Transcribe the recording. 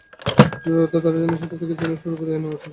যে ব্যাপারটা তারা জানে, সেটা থেকে যেন মুখ ফিরিয়ে না রাখে।